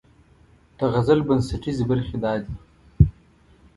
د غزل بنسټیزې برخې دا دي: